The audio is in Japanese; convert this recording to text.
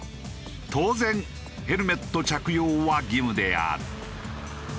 当然ヘルメット着用は義務である。